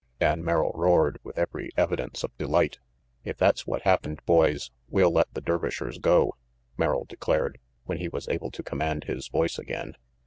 Dan Merrill roared with every evidence of delight. "If that's what happened, boys, we'll let the 54 RANGY PETE Dervishers go," Merrill declared, when he was able to command his voice again.